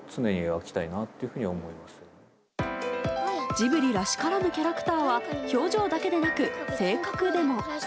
ジブリらしからぬキャラクターは表情だけでなく性格でも。